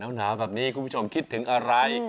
หนาวแบบนี้คุณผู้ชมคิดถึงอะไร